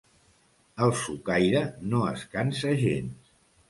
El socaire no es cansa gens.